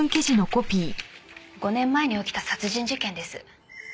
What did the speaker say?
５年前に起きた殺人事件です。